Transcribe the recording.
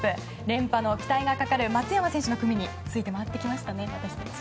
連覇の期待がかかる松山選手の組について回ってきましたね。